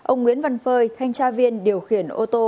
ông nguyễn văn phơi thanh tra viên điều khiển ô tô